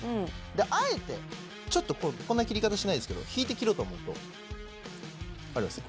であえてちょっとこんな切り方しないですけど引いて切ろうと思うと分かります？